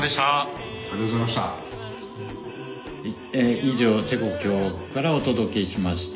以上チェコ共和国からお届けしました。